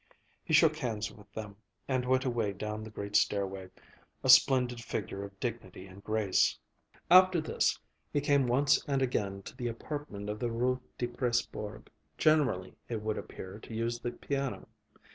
He shook hands with them, and went away down the great stairway, a splendid figure of dignity and grace. After this he came once and again to the apartment of the Rue de Presbourg, generally it would appear to use the piano.